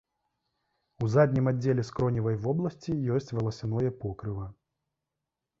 У заднім аддзеле скроневай вобласці ёсць валасяное покрыва.